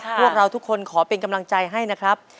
พวกเราทุกคนขอเป็นกำลังใจให้นะครับ